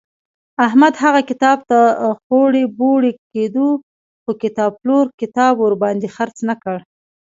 احمد هغه کتاب ته خوړی بوړی کېدو خو کتابپلور کتاب ورباندې خرڅ نه کړ.